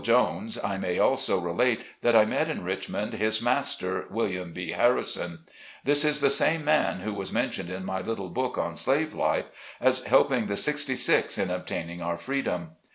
Jones, I may also relate that I met in Richmond, his master, William B. Harrison. This is the same man who was men tioned in my little book on slave life, as helping the 80 SLAVE CABIN TO PULPIT. sixty six in obtaining our freedom.